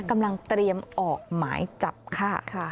กำลังเตรียมออกหมายจับค่ะ